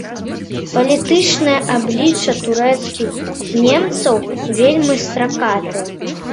Палітычнае аблічча турэцкіх немцаў вельмі стракатае.